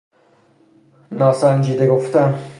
ناسنجیده گفتن